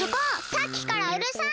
さっきからうるさい！